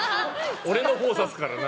俺のほう指すから。